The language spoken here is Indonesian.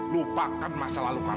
lupakan masa lalu kamu